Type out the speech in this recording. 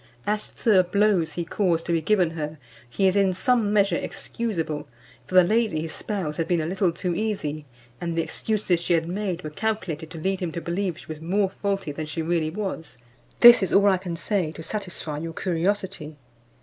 As to the blows he caused to be given her, he is in some measure excusable; for the lady his spouse had been a little too easy, and the excuses she had made were calculated to lead him to believe she was more faulty than she really was. This is all I can say to satisfy your curiosity."